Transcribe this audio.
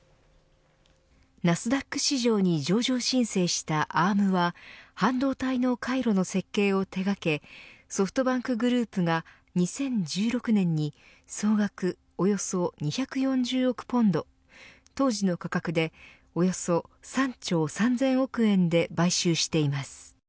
ナスダック市場に上場申請したアームは半導体の回路の設計を手がけソフトバンクグループが２０１６年に総額およそ２４０億ポンド当時の価格でおよそ３兆３０００億円で買収しています。